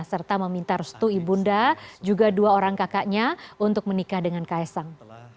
serta meminta restu ibunda juga dua orang kakaknya untuk menikah dengan kaisang